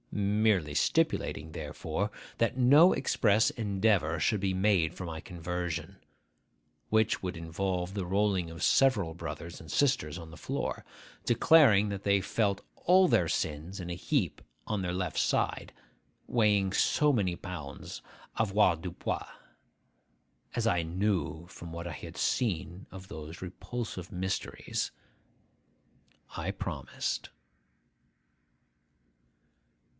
Merely stipulating, therefore, that no express endeavour should be made for my conversion,—which would involve the rolling of several brothers and sisters on the floor, declaring that they felt all their sins in a heap on their left side, weighing so many pounds avoirdupois, as I knew from what I had seen of those repulsive mysteries,—I promised.